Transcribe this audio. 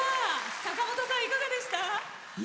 坂本さん、いかがでした？